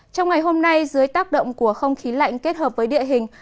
trong ngày hôm nay dưới tác động của không khí lạnh kết hợp với địa hình